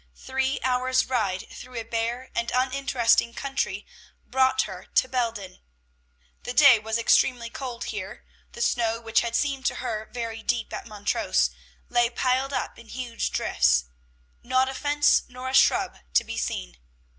Three hours' ride through a bare and uninteresting country brought her to Belden. The day was extremely cold here. The snow, which had seemed to her very deep at Montrose, lay piled up in huge drifts, not a fence nor a shrub to be seen.